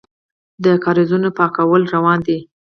د کاریزونو پاکول روان دي؟